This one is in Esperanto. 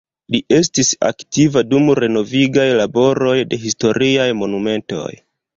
Li estis aktiva dum renovigaj laboroj de historiaj monumentoj.